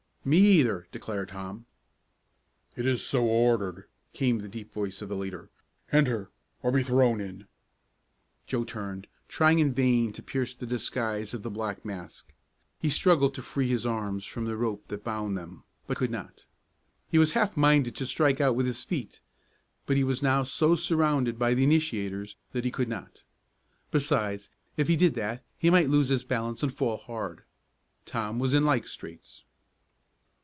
"Me either!" declared Tom. "It is so ordered," came the deep voice of the leader. "Enter or be thrown in!" Joe turned, trying in vain to pierce the disguise of the black mask. He struggled to free his arms from the rope that bound them, but could not. He was half minded to strike out with his feet, but he was now so surrounded by the initiators that he could not. Besides, if he did that he might lose his balance and fall hard. Tom was in like straits.